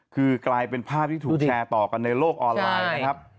คือกลายเป็นภาพที่ถูกแชร์ต่อกันในโลกออนไลน์นะครับ